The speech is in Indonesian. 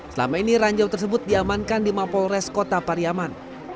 selama ini ranjau tersebut diamankan di mampol res kota pariyaman